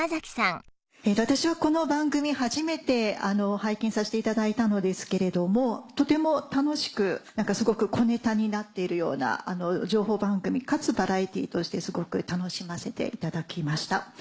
私はこの番組初めて拝見させていただいたのですけれどもとても楽しく何かすごく小ネタになっているような情報番組かつバラエティとしてすごく楽しませていただきました。